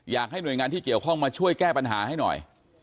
อยากให้หน่วยงานที่เกี่ยวข้องมาช่วยแก้ปัญหาให้หน่อย